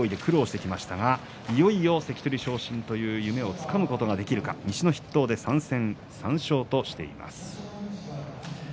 海と高田川部屋、神奈川の出身いよいよ関取昇進という夢をつかむことができるかどうか西の筆頭で３戦３勝としています。